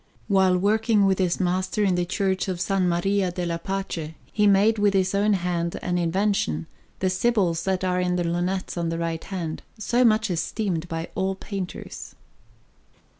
While working with his master in the Church of S. Maria della Pace, he made with his own hand and invention the Sibyls that are in the lunettes on the right hand, so much esteemed by all painters.